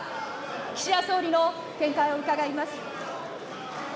岸田総理の見解を伺います。